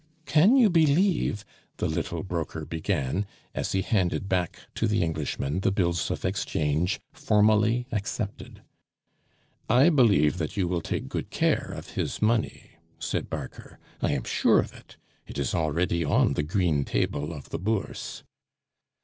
"Can you believe " the little broker began, as he handed back to the Englishman the bills of exchange formally accepted. "I believe that you will take good care of his money," said Barker. "I am sure of it! It is already on the green table of the Bourse."